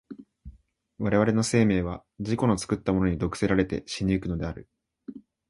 我々の生命は自己の作ったものに毒せられて死に行くのである。